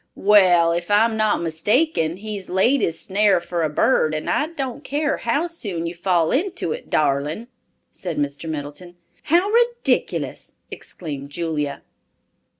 "Wall, if I'm not mistaken, he's laid his snare for a bird, and I don't care how soon you fall into it, darling," said Mr. Middleton. "How ridiculous!" exclaimed Julia.